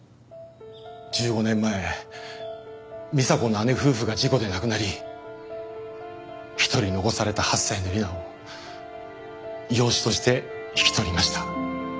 １５年前美紗子の姉夫婦が事故で亡くなり一人遺された８歳の理奈を養子として引き取りました。